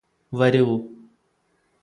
വരൂ